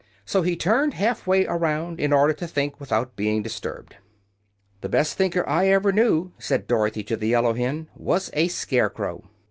So he turned half way around, in order to think without being disturbed. "The best thinker I ever knew," said Dorothy to the yellow hen, "was a scarecrow."